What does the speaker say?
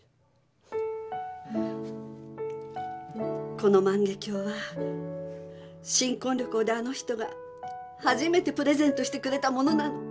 この万華鏡は新婚旅行であの人がはじめてプレゼントしてくれたものなの。